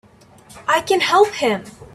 I can help him!